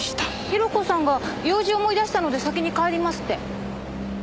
広子さんが「用事を思い出したので先に帰ります」って。